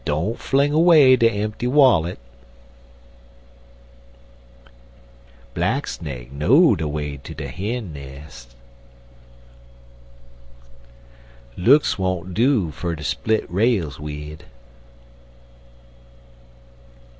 Don't fling away de empty wallet. Black snake know de way ter de hin nes'. Looks won't do ter split rails wid.